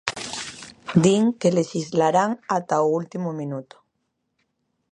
Din que lexislarán ata o último minuto.